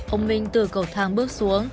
ông minh từ cầu thang bước xuống